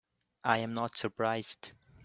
I am not surprised.